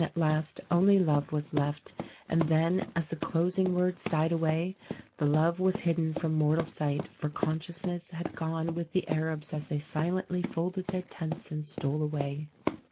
at last, only Love was left; and then, as the closing words died away, the love was hidden from 130 THE RECORDING ANGEL mortal sight; for consciousness had gone with the Arabs as they silently folded their tents and stole away.